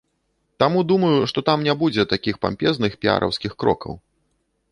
Таму думаю, што там не будзе такіх пампезных піараўскіх крокаў.